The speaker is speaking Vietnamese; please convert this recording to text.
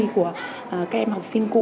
của các em học sinh cũ